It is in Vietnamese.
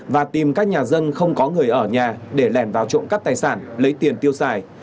và tìm các nhà dân không có người ở nhà để lèn vào trộn cấp tài sản lấy tiền tiêu xài